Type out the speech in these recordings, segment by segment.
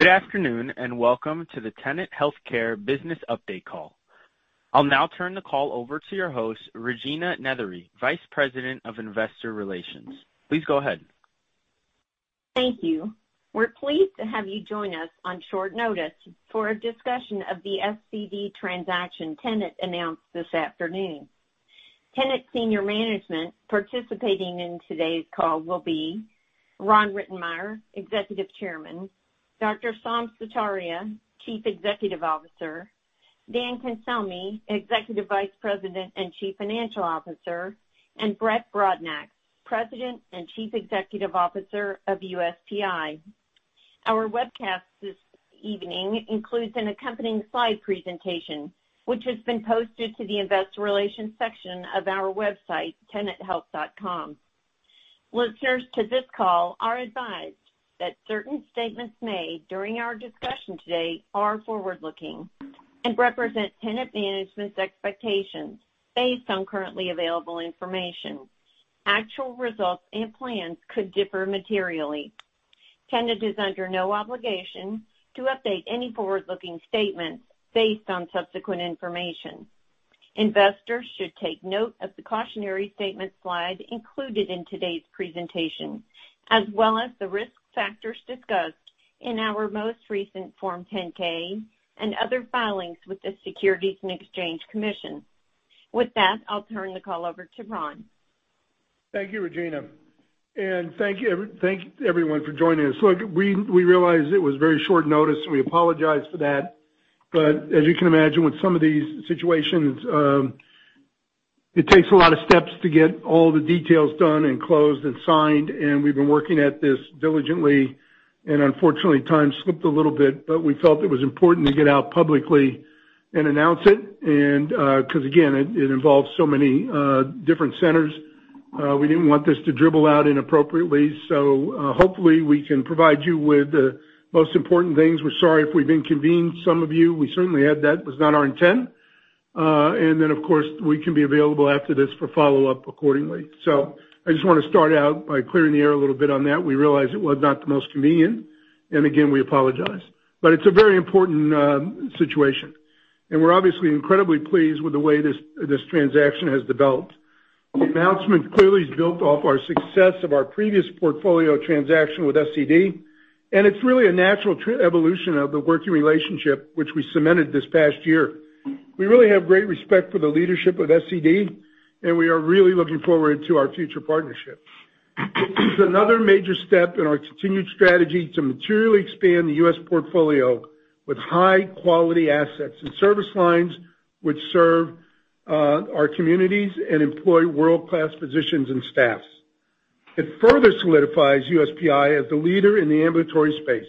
Good afternoon, and welcome to the Tenet Healthcare Business Update Call. I'll now turn the call over to your host, Regina Nethery, Vice President of Investor Relations. Please go ahead. Thank you. We're pleased to have you join us on short notice for a discussion of the SCD transaction Tenet announced this afternoon. Tenet senior management participating in today's call will be Ron Rittenmeyer, Executive Chairman, Dr. Saum Sutaria, Chief Executive Officer, Dan Cancelmi, Executive Vice President and Chief Financial Officer, and Brett Brodnax, President and Chief Executive Officer of USPI. Our webcast this evening includes an accompanying slide presentation, which has been posted to the investor relations section of our website, tenethealth.com. Listeners to this call are advised that certain statements made during our discussion today are forward-looking and represent Tenet management's expectations based on currently available information. Actual results and plans could differ materially. Tenet is under no obligation to update any forward-looking statements based on subsequent information. Investors should take note of the cautionary statement slide included in today's presentation, as well as the risk factors discussed in our most recent Form 10-K and other filings with the Securities and Exchange Commission. With that, I'll turn the call over to Ron. Thank you, Regina, and thank you, everyone for joining us. Look, we realize it was very short notice, so we apologize for that. As you can imagine, with some of these situations, it takes a lot of steps to get all the details done and closed and signed, and we've been working at this diligently, and unfortunately, time slipped a little bit. We felt it was important to get out publicly and announce it and, 'cause again, it involves so many different centers. We didn't want this to dribble out inappropriately, so hopefully we can provide you with the most important things. We're sorry if we've inconvenienced some of you. We certainly had that as not our intent. Then, of course, we can be available after this for follow-up accordingly. I just wanna start out by clearing the air a little bit on that. We realize it was not the most convenient, and again, we apologize. It's a very important situation, and we're obviously incredibly pleased with the way this transaction has developed. The announcement clearly is built off our success of our previous portfolio transaction with SCD, and it's really a natural evolution of the working relationship which we cemented this past year. We really have great respect for the leadership of SCD, and we are really looking forward to our future partnership. It's another major step in our continued strategy to materially expand the U.S. portfolio with high-quality assets and service lines which serve our communities and employ world-class physicians and staffs. It further solidifies USPI as the leader in the ambulatory space,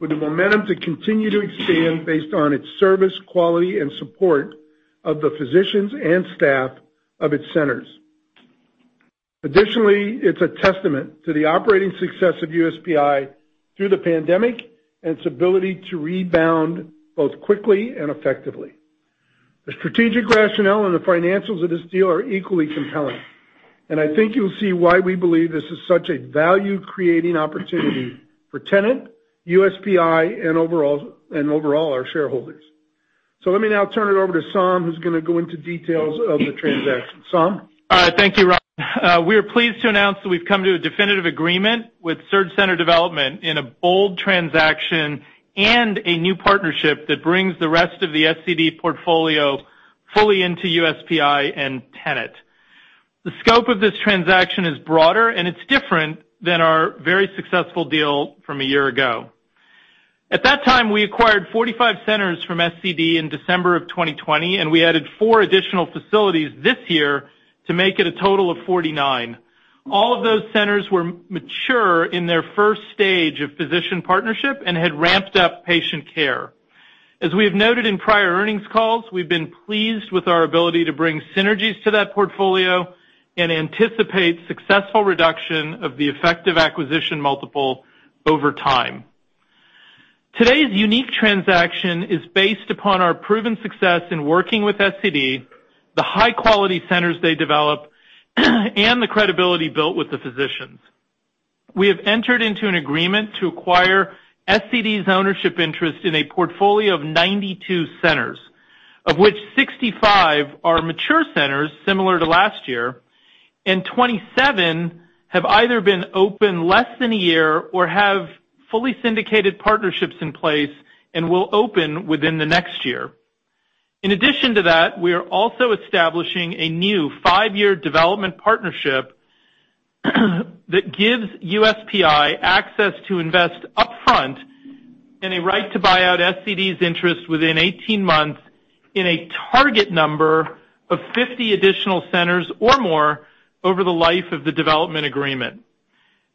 with the momentum to continue to expand based on its service, quality, and support of the physicians and staff of its centers. Additionally, it's a testament to the operating success of USPI through the pandemic and its ability to rebound both quickly and effectively. The strategic rationale and the financials of this deal are equally compelling, and I think you'll see why we believe this is such a value-creating opportunity for Tenet, USPI, and overall our shareholders. Let me now turn it over to Saum, who's gonna go into details of the transaction. Saum? Thank you, Ron. We are pleased to announce that we've come to a definitive agreement with SurgCenter Development in a bold transaction and a new partnership that brings the rest of the SCD portfolio fully into USPI and Tenet. The scope of this transaction is broader, and it's different than our very successful deal from a year ago. At that time, we acquired 45 centers from SCD in December 2020, and we added four additional facilities this year to make it a total of 49. All of those centers were mature in their first stage of physician partnership and had ramped up patient care. As we have noted in prior earnings calls, we've been pleased with our ability to bring synergies to that portfolio and anticipate successful reduction of the effective acquisition multiple over time. Today's unique transaction is based upon our proven success in working with SCD, the high-quality centers they develop, and the credibility built with the physicians. We have entered into an agreement to acquire SCD's ownership interest in a portfolio of 92 centers, of which 65 are mature centers, similar to last year, and 27 have either been open less than a year or have fully syndicated partnerships in place and will open within the next year. In addition to that, we are also establishing a new five-year development partnership that gives USPI access to invest upfront and a right to buy out SCD's interest within 18 months in a target number of 50 additional centers or more over the life of the development agreement.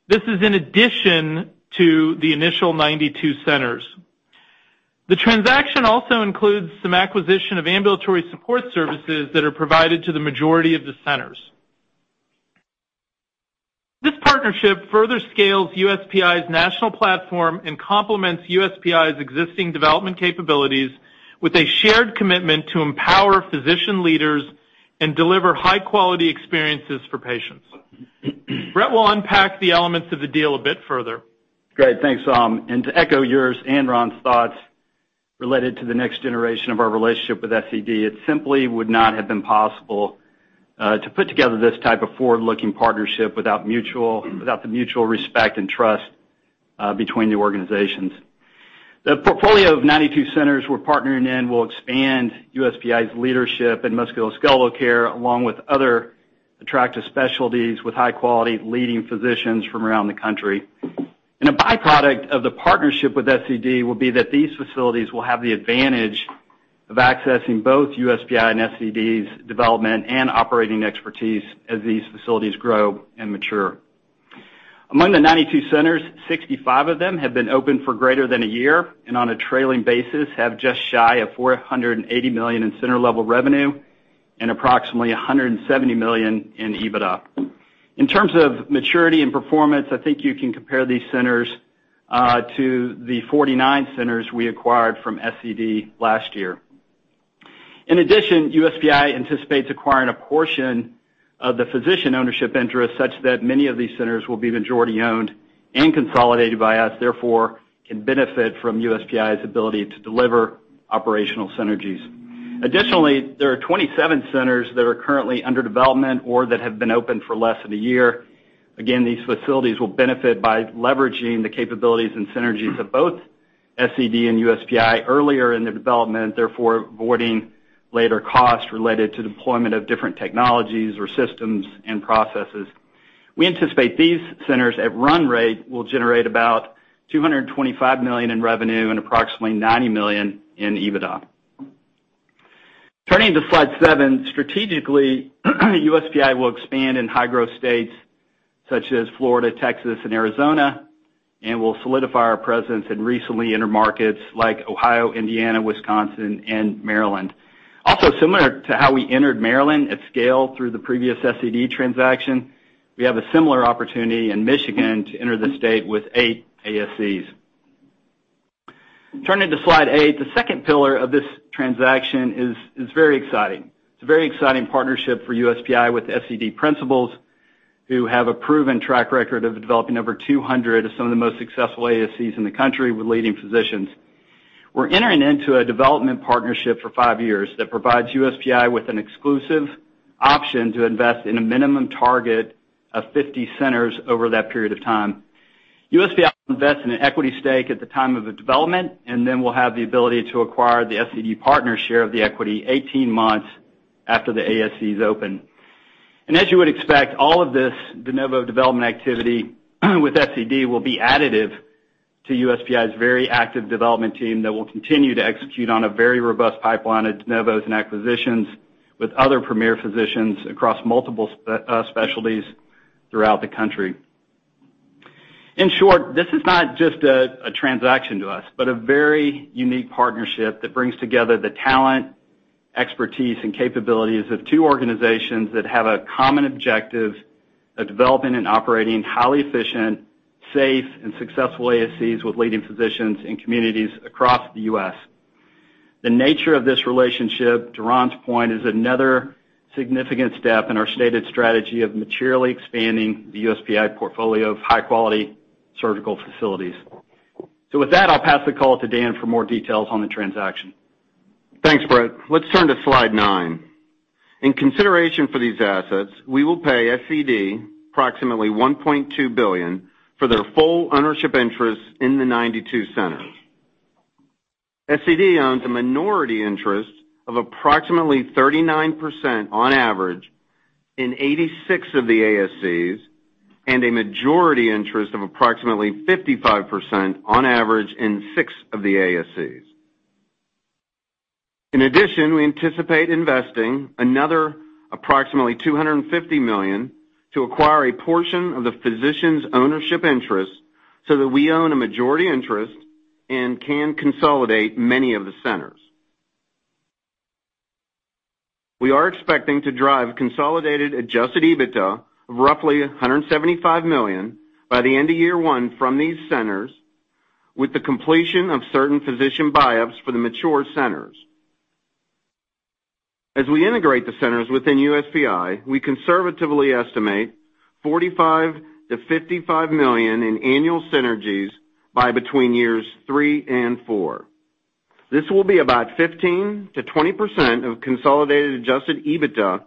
This is in addition to the initial 92 centers. The transaction also includes some acquisition of ambulatory support services that are provided to the majority of the centers. This partnership further scales USPI's national platform and complements USPI's existing development capabilities. With a shared commitment to empower physician leaders and deliver high-quality experiences for patients. Brett will unpack the elements of the deal a bit further. Great. Thanks. To echo yours and Ron's thoughts related to the next generation of our relationship with SCD, it simply would not have been possible to put together this type of forward-looking partnership without the mutual respect and trust between the organizations. The portfolio of 92 centers we're partnering in will expand USPI's leadership in musculoskeletal care, along with other attractive specialties with high-quality leading physicians from around the country. A by-product of the partnership with SCD will be that these facilities will have the advantage of accessing both USPI and SCD's development and operating expertise as these facilities grow and mature. Among the 92 centers, 65 of them have been open for greater than a year, and on a trailing basis have just shy of $480 million in center-level revenue and approximately $170 million in EBITDA. In terms of maturity and performance, I think you can compare these centers to the 49 centers we acquired from SCD last year. In addition, USPI anticipates acquiring a portion of the physician ownership interest such that many of these centers will be majority-owned and consolidated by us, therefore can benefit from USPI's ability to deliver operational synergies. Additionally, there are 27 centers that are currently under development or that have been open for less than a year. Again, these facilities will benefit by leveraging the capabilities and synergies of both SCD and USPI earlier in the development, therefore avoiding later costs related to deployment of different technologies or systems and processes. We anticipate these centers, at run rate, will generate about $225 million in revenue and approximately $90 million in EBITDA. Turning to slide seven, strategically, USPI will expand in high-growth states such as Florida, Texas, and Arizona, and will solidify our presence in recently entered markets like Ohio, Indiana, Wisconsin, and Maryland. Also, similar to how we entered Maryland at scale through the previous SCD transaction, we have a similar opportunity in Michigan to enter the state with eight ASCs. Turning to slide eight, the second pillar of this transaction is very exciting. It's a very exciting partnership for USPI with SCD principals, who have a proven track record of developing over 200 of some of the most successful ASCs in the country with leading physicians. We're entering into a development partnership for five years that provides USPI with an exclusive option to invest in a minimum target of 50 centers over that period of time. USPI will invest in an equity stake at the time of the development, and then we'll have the ability to acquire the SCD partner share of the equity 18 months after the ASC is open. As you would expect, all of this de novo development activity with SCD will be additive to USPI's very active development team that will continue to execute on a very robust pipeline of de novos and acquisitions with other premier physicians across multiple specialties throughout the country. In short, this is not just a transaction to us, but a very unique partnership that brings together the talent, expertise, and capabilities of two organizations that have a common objective of developing and operating highly efficient, safe, and successful ASCs with leading physicians in communities across the U.S. The nature of this relationship, to Ron's point, is another significant step in our stated strategy of materially expanding the USPI portfolio of high-quality surgical facilities. With that, I'll pass the call to Dan for more details on the transaction. Thanks, Brett. Let's turn to slide nine. In consideration for these assets, we will pay SCD approximately $1.2 billion for their full ownership interest in the 92 centers. SCD owns a minority interest of approximately 39% on average in 86 of the ASCs, and a majority interest of approximately 55% on average in six of the ASCs. In addition, we anticipate investing another approximately $250 million to acquire a portion of the physicians' ownership interest so that we own a majority interest and can consolidate many of the centers. We are expecting to drive consolidated adjusted EBITDA of roughly $175 million by the end of year one from these centers with the completion of certain physician buy-ups for the mature centers. As we integrate the centers within USPI, we conservatively estimate $45 million-$55 million in annual synergies by between years three and four. This will be about 15%-20% of consolidated adjusted EBITDA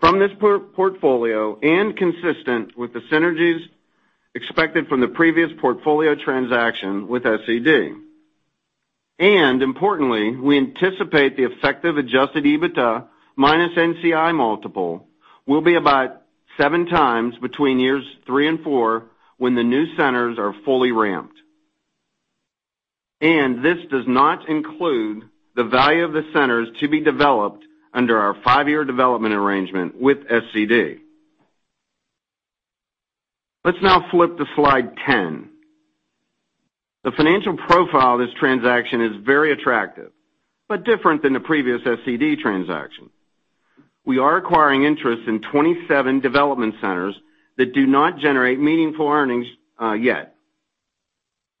from this portfolio and consistent with the synergies expected from the previous portfolio transaction with SCD. Importantly, we anticipate the effective adjusted EBITDA minus NCI multiple will be about 7x between years three and four when the new centers are fully ramped. This does not include the value of the centers to be developed under our five-year development arrangement with SCD. Let's now flip to slide 10. The financial profile of this transaction is very attractive, but different than the previous SCD transaction. We are acquiring interest in 27 development centers that do not generate meaningful earnings yet.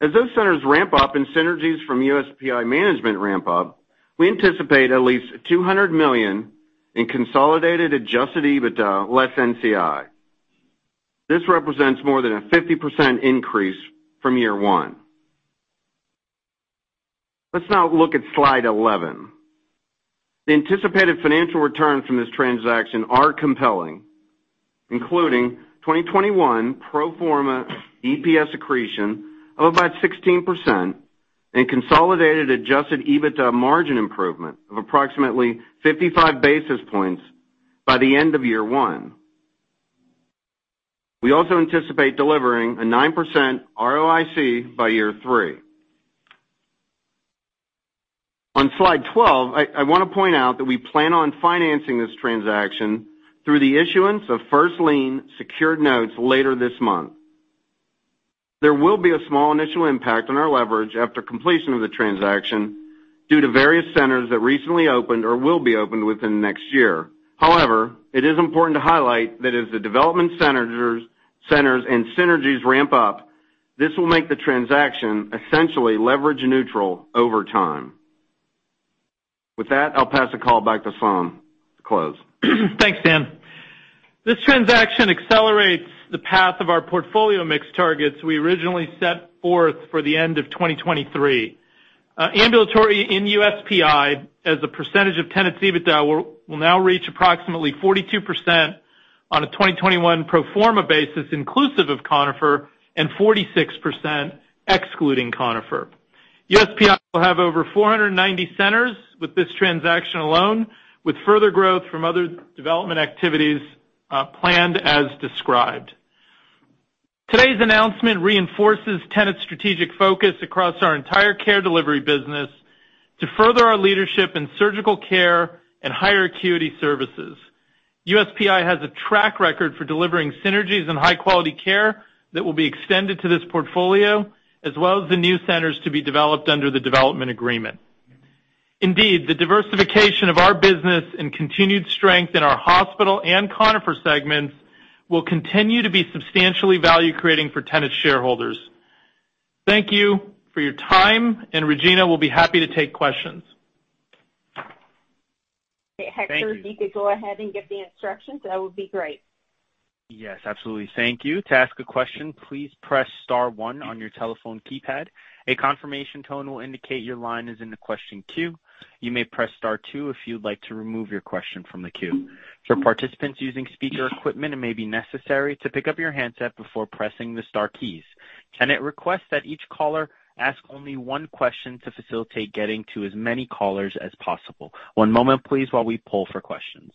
As those centers ramp up and synergies from USPI management ramp up, we anticipate at least $200 million in consolidated adjusted EBITDA less NCI. This represents more than a 50% increase from year one. Let's now look at slide 11. The anticipated financial returns from this transaction are compelling, including 2021 pro forma EPS accretion of about 16% and consolidated adjusted EBITDA margin improvement of approximately 55 basis points by the end of year one. We also anticipate delivering a 9% ROIC by year three. On slide 12, I wanna point out that we plan on financing this transaction through the issuance of first lien secured notes later this month. There will be a small initial impact on our leverage after completion of the transaction due to various centers that recently opened or will be opened within the next year. However, it is important to highlight that as the development centers and synergies ramp up, this will make the transaction essentially leverage neutral over time. With that, I'll pass the call back to Saum to close. Thanks, Dan. This transaction accelerates the path of our portfolio mix targets we originally set forth for the end of 2023. Ambulatory in USPI as a percentage of Tenet EBITDA will now reach approximately 42% on a 2021 pro forma basis inclusive of Conifer and 46% excluding Conifer. USPI will have over 490 centers with this transaction alone, with further growth from other development activities planned as described. Today's announcement reinforces Tenet's strategic focus across our entire care delivery business to further our leadership in surgical care and higher acuity services. USPI has a track record for delivering synergies and high-quality care that will be extended to this portfolio, as well as the new centers to be developed under the development agreement. Indeed, the diversification of our business and continued strength in our Hospital and Conifer segments will continue to be substantially value creating for Tenet shareholders. Thank you for your time, and Regina will be happy to take questions. Okay. Thank you. Hector, if you could go ahead and give the instructions, that would be great. Yes, absolutely. Thank you. To ask a question, please press star one on your telephone keypad. A confirmation tone will indicate your line is in the question queue. You may press star two if you'd like to remove your question from the queue. For participants using speaker equipment, it may be necessary to pick up your handset before pressing the star keys. Tenet requests that each caller ask only one question to facilitate getting to as many callers as possible. One moment please, while we poll for questions.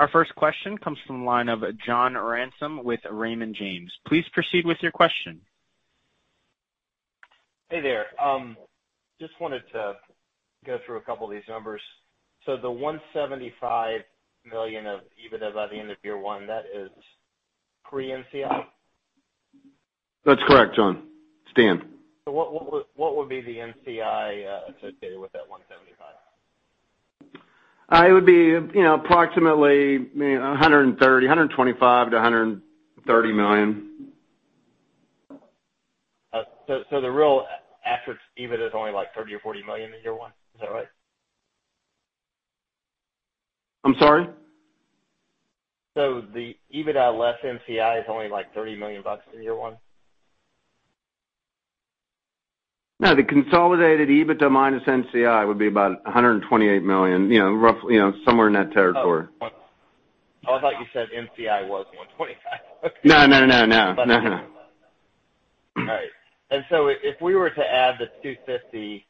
Our first question comes from the line of John Ransom with Raymond James. Please proceed with your question. Hey there. Just wanted to go through a couple of these numbers. The $175 million of EBITDA by the end of year one, that is pre-NCI? That's correct, John. It's Dan. What would be the NCI associated with that $175 million? It would be, you know, approximately, you know, $125 million-$130 million. The real after, EBITDA is only like $30 million-$40 million in year one. Is that right? I'm sorry? The EBITDA less NCI is only like $30 million in year one? No, the consolidated EBITDA minus NCI would be about $128 million, you know, somewhere in that territory. Oh, I thought you said NCI was $30 million-$40 million. No. No. All right. If we were to add the $250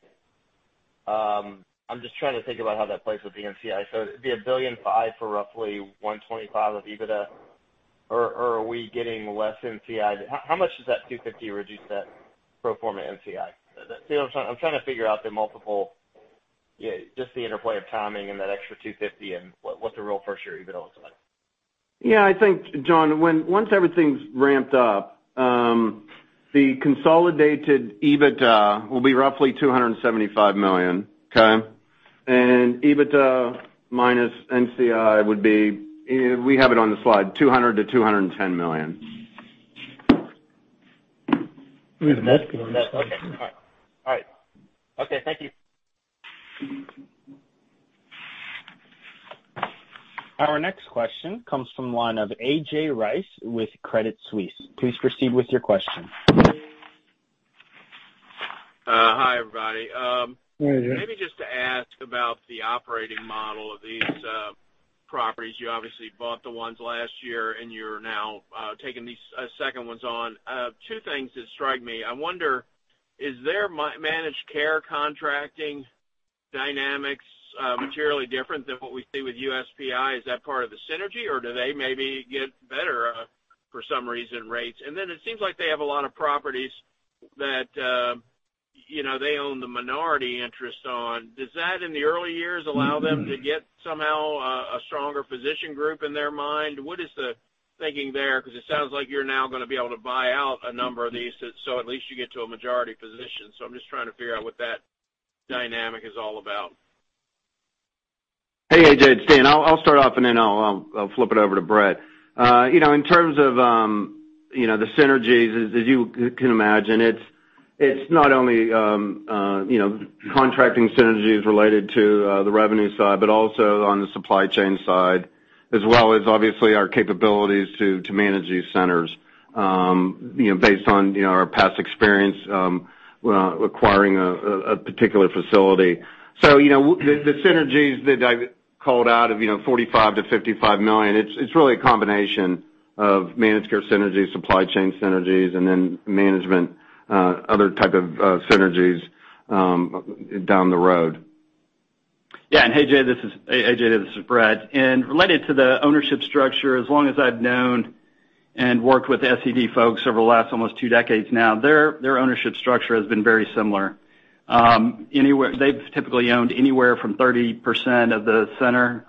million, I'm just trying to think about how that plays with the NCI. It'd be $1.5 billion for roughly $125 million of EBITDA. Or are we getting less NCI? How much does that $250 million reduce that pro forma NCI? See what I'm trying to figure out the multiple, yeah, just the interplay of timing and that extra $250 million and what the real first year EBITDA looks like. I think, John, once everything's ramped up, the consolidated EBITDA will be roughly $275 million. Okay. EBITDA minus NCI will be, you know, we have it on the slide, $200 million-$210 million. All right. Okay. Thank you. Our next question comes from the line of A.J. Rice with Credit Suisse. Please proceed with your question. Hi, everybody. Hi, A.J. Maybe just to ask about the operating model of these, properties. You obviously bought the ones last year, and you're now taking these second ones on. Two things that strike me. I wonder, is their managed care contracting dynamics materially different than what we see with USPI? Is that part of the synergy, or do they maybe get better, for some reason rates? Then it seems like they have a lot of properties that, you know, they own the minority interest on. Does that, in the early years, allow them to get somehow a stronger physician group in their mind? What is the thinking there, because it sounds like you're now gonna be able to buy out a number of these so at least you get to a majority position. I'm just trying to figure out what that dynamic is all about. Hey, A.J., it's Dan. I'll start off and then I'll flip it over to Brett. You know, in terms of, you know, the synergies, as you can imagine, it's not only, you know, contracting synergies related to the revenue side, but also on the supply chain side, as well as obviously our capabilities to manage these centers, you know, based on, you know, our past experience, acquiring a particular facility. You know, the synergies that I called out, you know, $45 million-$55 million, it's really a combination of managed care synergies, supply chain synergies, and then management, other type of synergies, down the road. Yeah. AJ, this is Brett. Related to the ownership structure, as long as I've known and worked with SCD folks over the last almost two decades now, their ownership structure has been very similar. They've typically owned anywhere from 30% of the center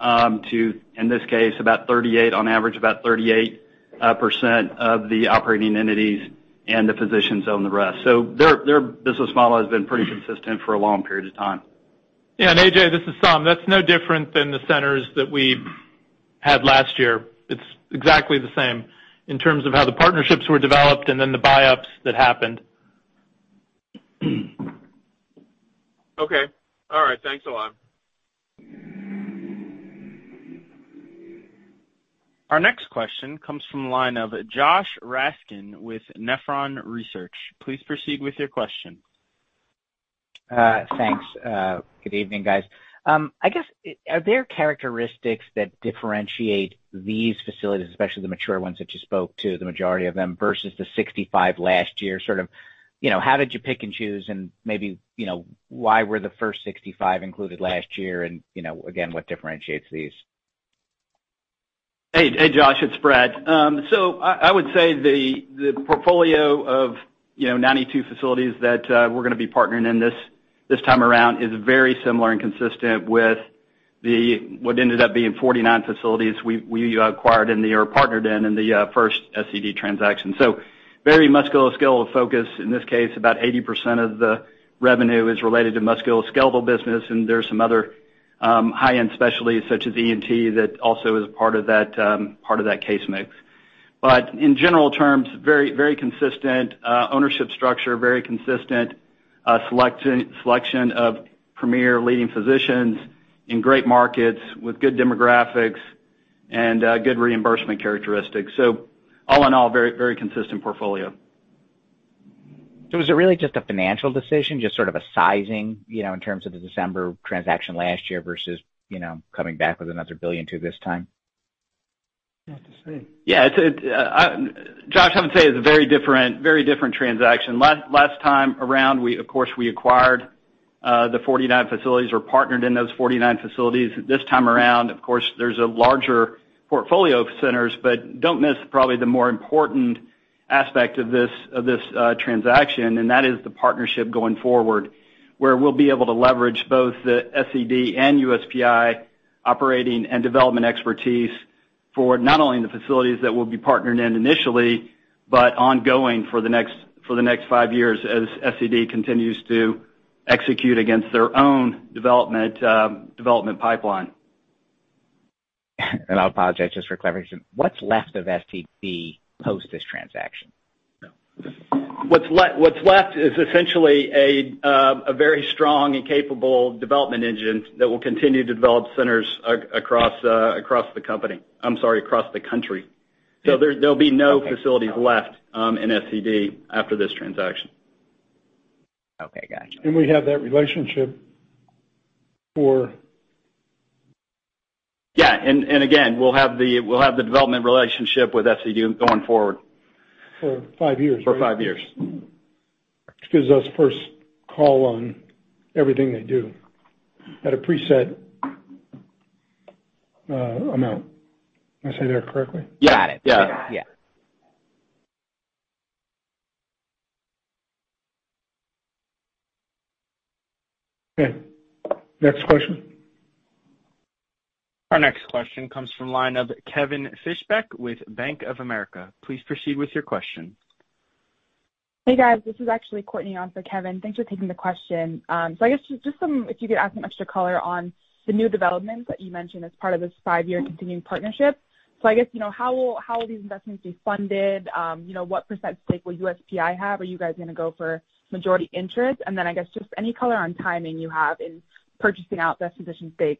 to, in this case, about 38%, on average, about 38% of the operating entities, and the physicians own the rest. Their business model has been pretty consistent for a long period of time. Yeah. A.J., this is Saum. That's no different than the centers that we had last year. It's exactly the same in terms of how the partnerships were developed and then the buy-ups that happened. Okay. All right. Thanks a lot. Our next question comes from the line of Josh Raskin with Nephron Research. Please proceed with your question. Thanks. Good evening, guys. I guess, are there characteristics that differentiate these facilities, especially the mature ones that you spoke to, the majority of them, versus the 65 last year sort of, you know, how did you pick and choose and maybe, you know, why were the first 65 included last year and, you know, again, what differentiates these? Hey, Josh, it's Brett. I would say the portfolio of, you know, 92 facilities that we're gonna be partnering in this time around is very similar and consistent with what ended up being 49 facilities we acquired or partnered in the first SCD transaction. Very musculoskeletal focus. In this case, about 80% of the revenue is related to musculoskeletal business, and there's some other high-end specialties such as ENT that also is part of that case mix. In general terms, very consistent ownership structure, very consistent selection of premier leading physicians in great markets with good demographics and good reimbursement characteristics. All in all, very consistent portfolio. Was it really just a financial decision, just sort of a sizing, you know, in terms of the December transaction last year versus, you know, coming back with another $1.2 billion this time? I have to say. Yeah, it's a very different transaction. Last time around, of course, we acquired the 49 facilities or partnered in those 49 facilities. This time around, of course, there's a larger portfolio of centers, but don't miss probably the more important aspect of this transaction, and that is the partnership going forward, where we'll be able to leverage both the SCD and USPI operating and development expertise for not only the facilities that we'll be partnering in initially, but ongoing for the next five years as SCD continues to execute against their own development pipeline. I apologize just for clarification. What's left of SCD post this transaction? What's left is essentially a very strong and capable development engine that will continue to develop centers across the country. There'll be no facilities left in SCD after this transaction. Okay. Gotcha. We have that relationship forward. Yeah. Again, we'll have the development relationship with SCD going forward. For five years, right? For five years. Which gives us first call on everything they do at a preset amount. Did I say that correctly? You got it. Yeah. Yeah. Okay. Next question. Our next question comes from line of Kevin Fischbeck with Bank of America. Please proceed with your question. Hey, guys, this is actually Courtney on for Kevin. Thanks for taking the question. I guess just some if you could add some extra color on the new developments that you mentioned as part of this five-year continuing partnership. I guess, you know, how will these investments be funded? You know, what percent stake will USPI have? Are you guys gonna go for majority interest? I guess just any color on timing you have in purchasing out the physician stake.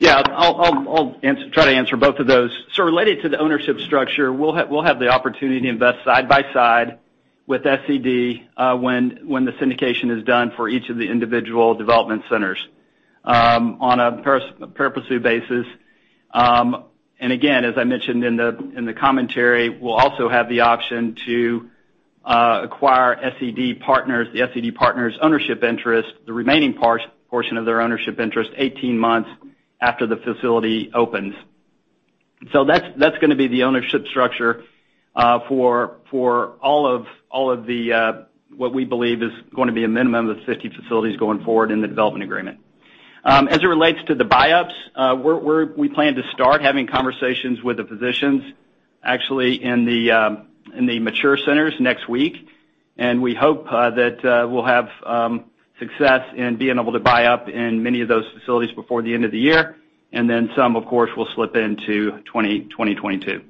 Yeah. I'll try to answer both of those. Related to the ownership structure, we'll have the opportunity to invest side by side with SCD when the syndication is done for each of the individual development centers on a pro rata basis. Again, as I mentioned in the commentary, we'll also have the option to acquire the SCD partners' ownership interest, the remaining portion of their ownership interest 18 months after the facility opens. That's gonna be the ownership structure for all of the what we believe is gonna be a minimum of 50 facilities going forward in the development agreement. As it relates to the buy-ups, we plan to start having conversations with the physicians actually in the mature centers next week. We hope that we'll have success in being able to buy up in many of those facilities before the end of the year. Some, of course, will slip into 2022.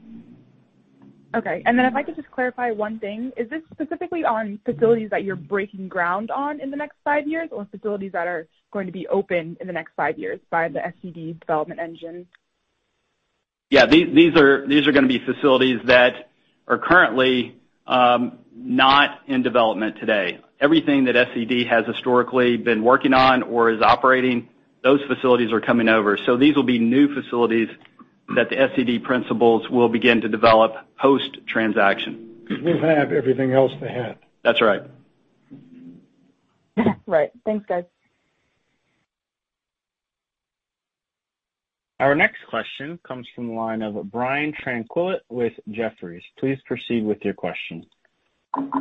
Okay. If I could just clarify one thing, is this specifically on facilities that you're breaking ground on in the next five years or facilities that are going to be open in the next five years by the SCD development engine? Yeah. These are gonna be facilities that are currently not in development today. Everything that SCD has historically been working on or is operating, those facilities are coming over. These will be new facilities that the SCD principals will begin to develop post-transaction. We have everything else they had. That's right. Right. Thanks, guys. Our next question comes from the line of Brian Tanquilut with Jefferies. Please proceed with your question.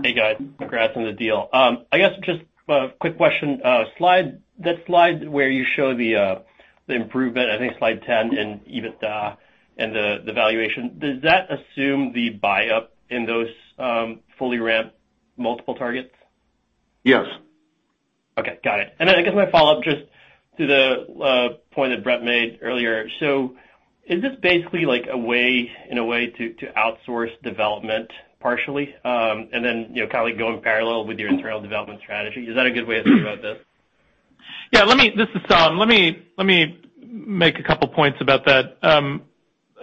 Hey, guys. Congrats on the deal. I guess just a quick question. That slide where you show the improvement, I think slide 10 in EBITDA and the valuation, does that assume the buy-up in those fully ramped multiple targets? Yes. Okay. Got it. I guess my follow-up just to the point that Brett made earlier. Is this basically like a way, in a way to outsource development partially, and then, you know, kind of like go in parallel with your internal development strategy? Is that a good way to think about this? Yeah. This is Saum. Let me make a couple points about that.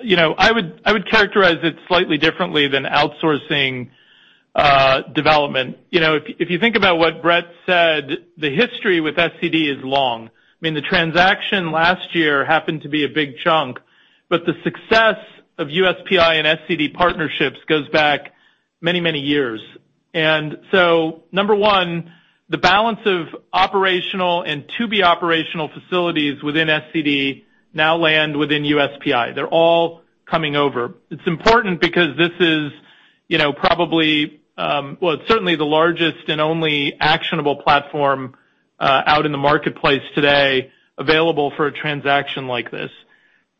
You know, I would characterize it slightly differently than outsourcing development. You know, if you think about what Brett said, the history with SCD is long. I mean, the transaction last year happened to be a big chunk, but the success of USPI and SCD partnerships goes back many, many years. Number one, the balance of operational and to-be operational facilities within SCD now land within USPI. They're all coming over. It's important because this is, you know, probably, well, it's certainly the largest and only actionable platform out in the marketplace today available for a transaction like this.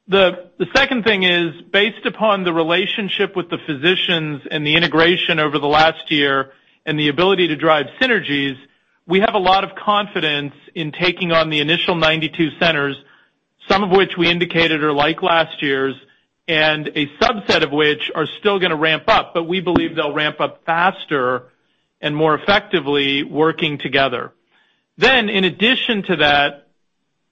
The second thing is, based upon the relationship with the physicians and the integration over the last year and the ability to drive synergies, we have a lot of confidence in taking on the initial 92 centers, some of which we indicated are like last year's, and a subset of which are still gonna ramp up, but we believe they'll ramp up faster and more effectively working together. In addition to that,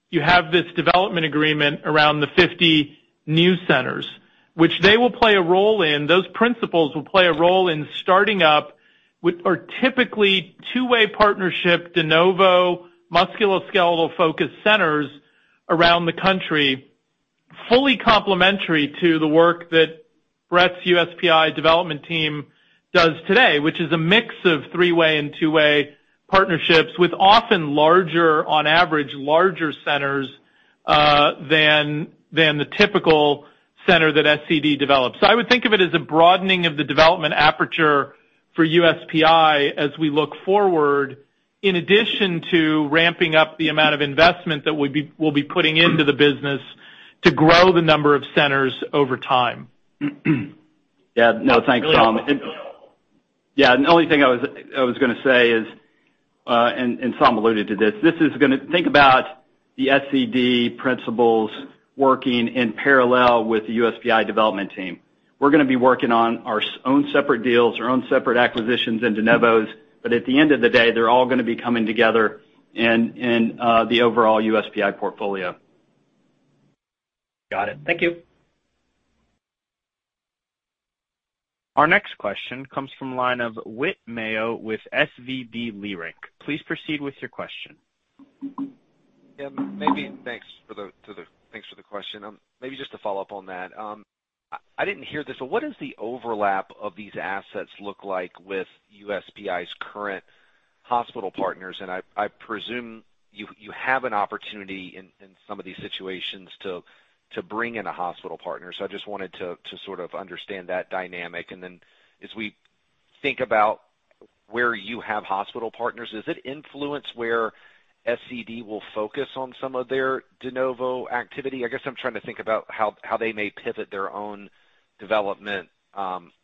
you have this development agreement around the 50 new centers, which they will play a role in. Those principals will play a role in starting up, which are typically two-way partnership, de novo, musculoskeletal-focused centers around the country, fully complementary to the work that Brett's USPI development team does today, which is a mix of three-way and two-way partnerships with often larger, on average, larger centers than the typical center that SCD develops. I would think of it as a broadening of the development aperture for USPI as we look forward, in addition to ramping up the amount of investment that we'll be putting into the business to grow the number of centers over time. Yeah. No, thanks, Saum. Yeah, the only thing I was gonna say is, Tom alluded to this. Think about the SCD principals working in parallel with the USPI development team. We're gonna be working on our own separate deals, our own separate acquisitions and de novos, but at the end of the day, they're all gonna be coming together in the overall USPI portfolio. Got it. Thank you. Our next question comes from the line of Whit Mayo with SVB Leerink. Please proceed with your question. Thanks for the question. Maybe just to follow up on that. I didn't hear this. What is the overlap of these assets look like with USPI's current hospital partners? I presume you have an opportunity in some of these situations to bring in a hospital partner. I just wanted to sort of understand that dynamic. As we think about where you have hospital partners, does it influence where SCD will focus on some of their de novo activity? I guess I'm trying to think about how they may pivot their own development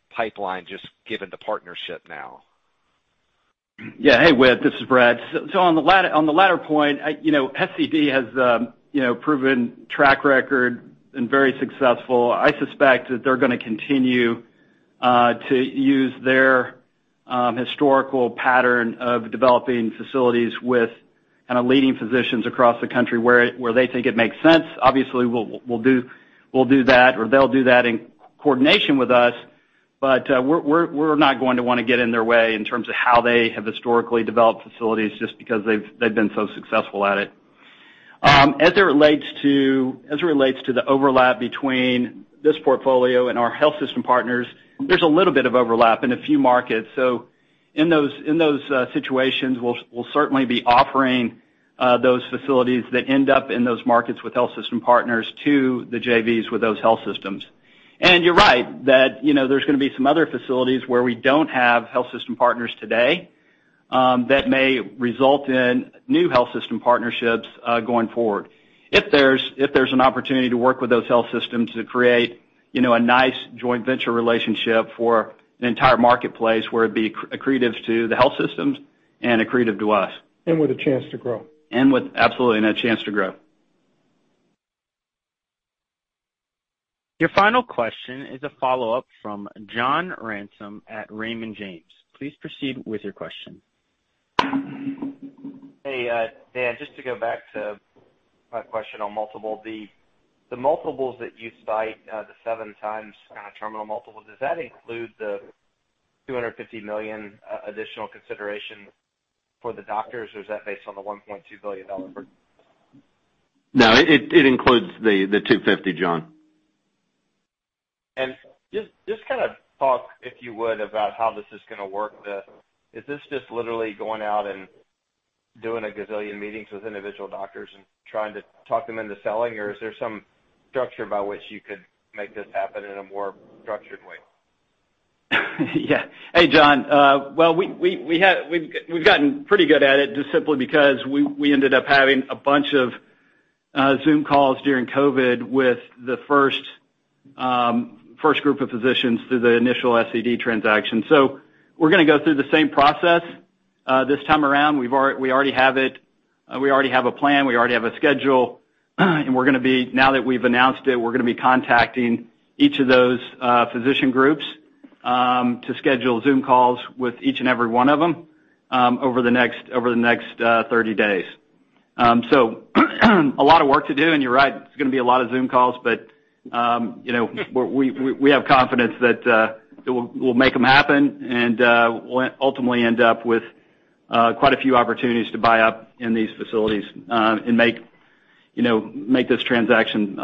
pipeline just given the partnership now. Yeah. Hey, Whit, this is Brett. On the latter point, you know, SCD has you know proven track record and very successful. I suspect that they're gonna continue to use their historical pattern of developing facilities with kind of leading physicians across the country where they think it makes sense. Obviously, we'll do that or they'll do that in coordination with us. But we're not going to wanna get in their way in terms of how they have historically developed facilities just because they've been so successful at it. As it relates to the overlap between this portfolio and our health system partners, there's a little bit of overlap in a few markets. In those situations, we'll certainly be offering those facilities that end up in those markets with health system partners to the JVs with those health systems. You're right that, you know, there's gonna be some other facilities where we don't have health system partners today that may result in new health system partnerships going forward. If there's an opportunity to work with those health systems to create, you know, a nice joint venture relationship for the entire marketplace where it'd be accretive to the health systems and accretive to us. With a chance to grow. With, absolutely, and a chance to grow. Your final question is a follow-up from John Ransom at Raymond James. Please proceed with your question. Hey, just to go back to my question on multiple. The multiples that you cite, the 7x kind of terminal multiple, does that include the $250 million additional consideration for the doctors, or is that based on the $1.2 billion No, it includes the $250, John. Just kind of talk, if you would, about how this is gonna work. Is this just literally going out and doing a gazillion meetings with individual doctors and trying to talk them into selling, or is there some structure by which you could make this happen in a more structured way? Yeah. Hey, John. Well, we've gotten pretty good at it just simply because we ended up having a bunch of Zoom calls during COVID with the first group of physicians through the initial SCD transaction. We're gonna go through the same process this time around. We already have it, we already have a plan, we already have a schedule, and now that we've announced it, we're gonna be contacting each of those physician groups to schedule Zoom calls with each and every one of them over the next 30 days. A lot of work to do, and you're right, it's gonna be a lot of Zoom calls, but you know, we have confidence that we'll make them happen and ultimately end up with quite a few opportunities to buy up in these facilities and make you know make this transaction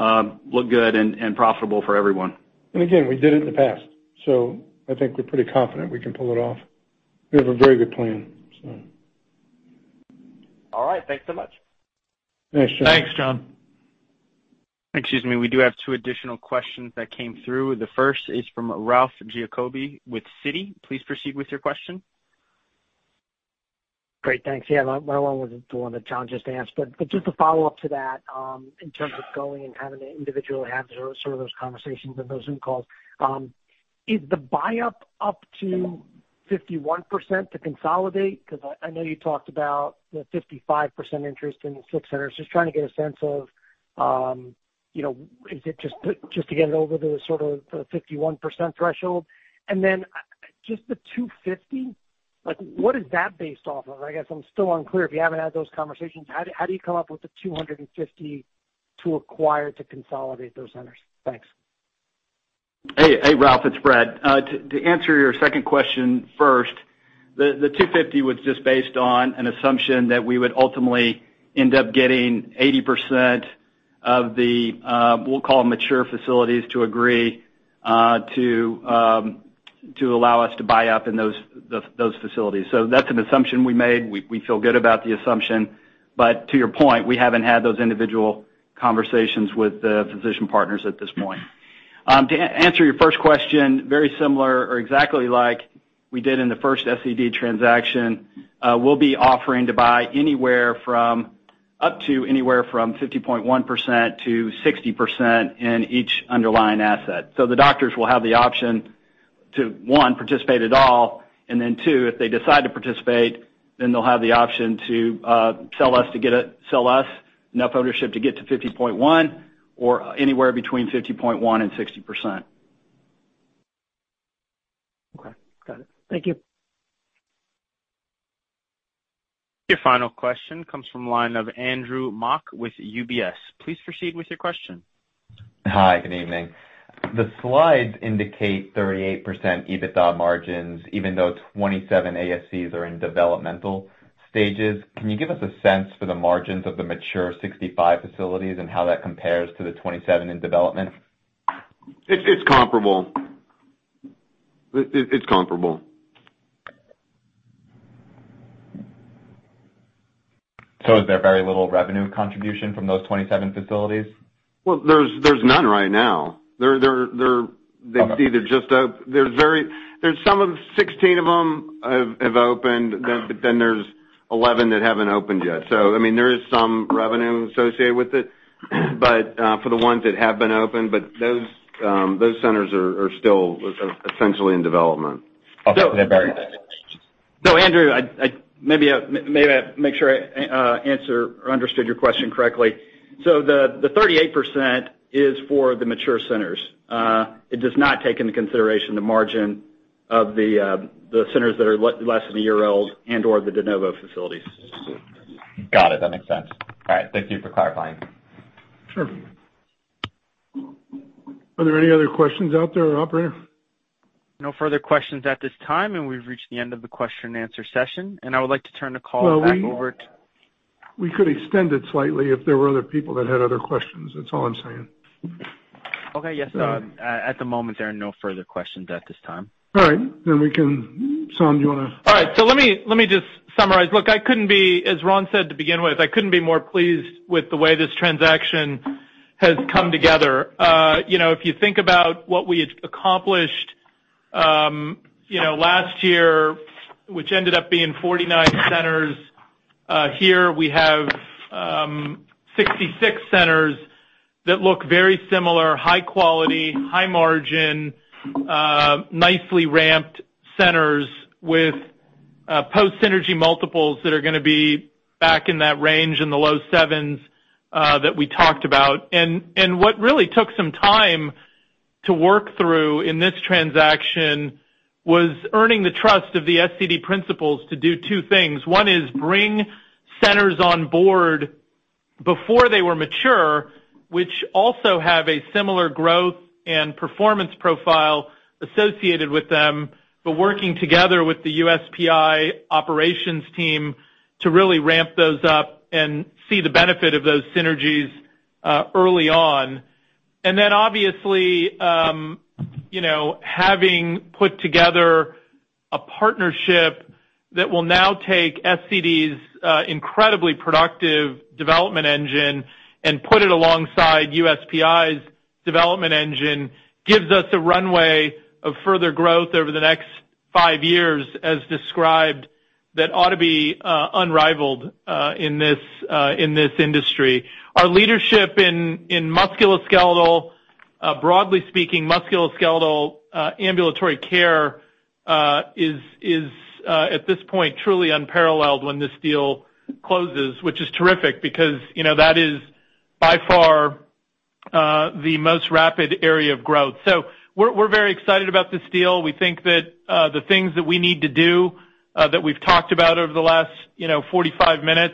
look good and profitable for everyone. Again, we did it in the past, so I think we're pretty confident we can pull it off. We have a very good plan. All right. Thanks so much. Thanks, John. Thanks, John. Excuse me. We do have two additional questions that came through. The first is from Ralph Giacobbe with Citi. Please proceed with your question. Great. Thanks. Yeah, my one was the one that John just asked. Just a follow-up to that, in terms of going and having to individually have sort of those conversations and those Zoom calls, is the buy-up up to 51% to consolidate? 'Cause I know you talked about the 55% interest in the ASC centers. Just trying to get a sense of, you know, is it just to get it over the sort of the 51% threshold? Then, just the $250, like what is that based off of? I guess I'm still unclear. If you haven't had those conversations, how do you come up with the $250 to acquire to consolidate those centers? Thanks. Hey, Ralph, it's Brett. To answer your second question first, the 250 was just based on an assumption that we would ultimately end up getting 80% of the, we'll call them mature facilities to agree to allow us to buy up in those facilities. That's an assumption we made. We feel good about the assumption. To your point, we haven't had those individual conversations with the physician partners at this point. To answer your first question, very similar or exactly like we did in the first SCD transaction, we'll be offering to buy anywhere from 50.1%-60% in each underlying asset. The doctors will have the option to, one, participate at all, and then two, if they decide to participate, then they'll have the option to sell us enough ownership to get to 50.1% or anywhere between 50.1%-60%. Okay. Got it. Thank you. Your final question comes from the line of Andrew Mok with UBS. Please proceed with your question. Hi. Good evening. The slides indicate 38% EBITDA margins, even though 27 ASCs are in developmental stages. Can you give us a sense for the margins of the mature 65 facilities and how that compares to the 27 in development? It's comparable. Is there very little revenue contribution from those 27 facilities? Well, there's none right now. Okay. There's some of them, 16 of them have opened. There's 11 that haven't opened yet. I mean, there is some revenue associated with it, but for the ones that have been opened, those centers are still essentially in development. Okay. They're very. No, Andrew, I maybe make sure I answer and understand your question correctly. The 38% is for the mature centers. It does not take into consideration the margin of the centers that are less than a year old and/or the de novo facilities. Got it. That makes sense. All right. Thank you for clarifying. Sure. Are there any other questions out there, Operator? No further questions at this time, and we've reached the end of the question and answer session, and I would like to turn the call back over to. Well, we could extend it slightly if there were other people that had other questions. That's all I'm saying. Okay. Yes, sir. At the moment, there are no further questions at this time. All right. Saum, do you wanna- All right. Let me just summarize. Look, I couldn't be, as Ron said to begin with, I couldn't be more pleased with the way this transaction has come together. You know, if you think about what we had accomplished You know, last year, which ended up being 49 centers, here we have, 66 centers that look very similar, high quality, high margin, nicely ramped centers with, post synergy multiples that are gonna be back in that range in the low seven, that we talked about. What really took some time to work through in this transaction was earning the trust of the SCD principals to do two things. One is bring centers on board before they were mature, which also have a similar growth and performance profile associated with them, but working together with the USPI operations team to really ramp those up and see the benefit of those synergies, early on. Obviously, you know, having put together a partnership that will now take SCD's incredibly productive development engine and put it alongside USPI's development engine gives us a runway of further growth over the next five years as described that ought to be unrivaled in this industry. Our leadership in musculoskeletal broadly speaking musculoskeletal ambulatory care is at this point truly unparalleled when this deal closes, which is terrific because, you know, that is by far the most rapid area of growth. We're very excited about this deal. We think that the things that we need to do that we've talked about over the last 45 minutes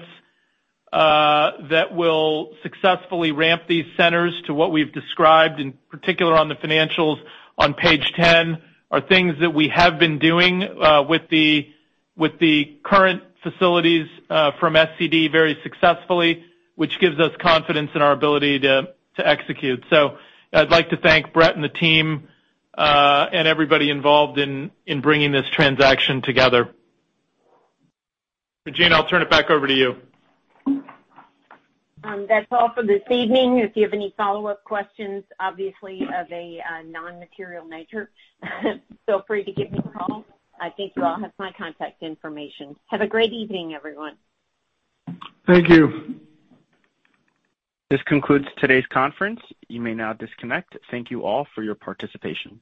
that will successfully ramp these centers to what we've described, in particular on the financials on page 10, are things that we have been doing with the current facilities from SCD very successfully, which gives us confidence in our ability to execute. I'd like to thank Brett and the team and everybody involved in bringing this transaction together. Regina, I'll turn it back over to you. That's all for this evening. If you have any follow-up questions, obviously of a non-material nature, feel free to give me a call. I think you all have my contact information. Have a great evening, everyone. Thank you. This concludes today's conference. You may now disconnect. Thank you all for your participation.